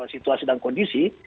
situasi dan kondisi